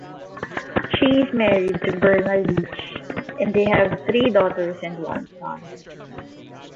She is married to Bernard Lynch and they have three daughters and one son.